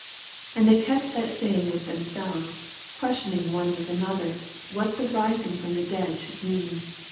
10 And they kept that saying with themselves, questioning one with an other what the rising from the dead should mean.